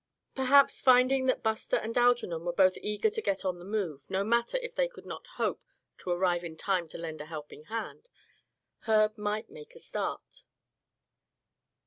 Perhaps finding that Buster and Algernon were both eager to get on the move, no matter if they could not hope to arrive in time to lend a helping hand, Herb might make the start.